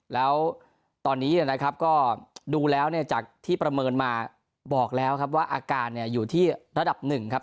แล้วตอนนี้นะครับก็ดูแล้วเนี่ยจากที่ประเมินมาบอกแล้วครับว่าอาการอยู่ที่ระดับหนึ่งครับ